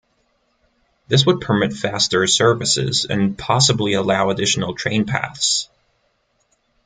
This would permit faster services and possibly allow additional train paths.